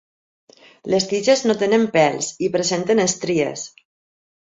Les tiges no tenen pèls i presenten estries.